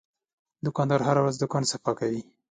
دوکاندار هره ورځ دوکان صفا کوي.